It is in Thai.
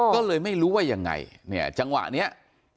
ก็เลยไม่รู้ว่ายังไงเนี่ยจังหวะนี้